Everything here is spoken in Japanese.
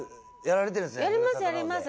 やりますやります